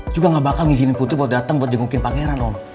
juga gak bakal ngizinin putri buat datang buat jengukin pangeran om